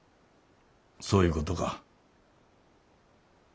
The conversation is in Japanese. そういうことか。